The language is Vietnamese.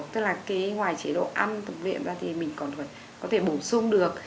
tức là cái ngoài chế độ ăn tập viện ra thì mình còn có thể bổ sung được